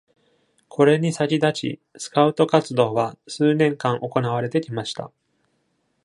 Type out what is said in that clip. これに先立ち、スカウト活動は数年間行われてきました。